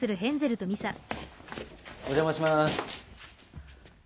お邪魔します。